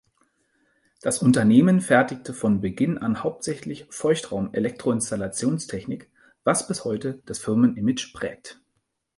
Das Unternehmen fertigte von Beginn an hauptsächlich Feuchtraum-Elektroinstallationstechnik, was bis heute das Firmen-Image prägt.